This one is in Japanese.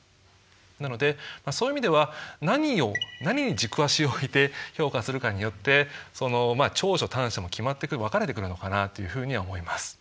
なのでそういう意味では何に軸足をおいて評価するかによって長所・短所も決まってくる分かれてくるのかなというふうには思います。